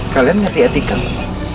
kalian ngerti etika ma